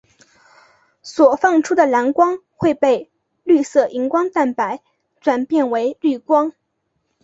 所放出的蓝光会被绿色荧光蛋白转变为绿光。